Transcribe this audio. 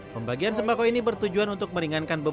memeliharakan tingkat serta senantiasa hadir